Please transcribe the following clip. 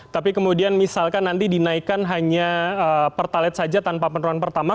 tapi kemudian misalkan nanti dinaikkan hanya pertalit saja tanpa penurunan pertama